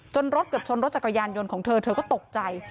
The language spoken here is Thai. รถเกือบชนรถจักรยานยนต์ของเธอเธอก็ตกใจ